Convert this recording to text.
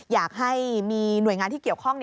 อยากให้มีหน่วยงานที่เกี่ยวข้อง